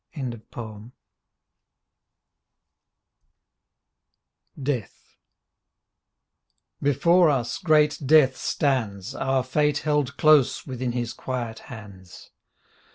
25 DEATH Before us great Death stands Our fate held close within his quiet hands.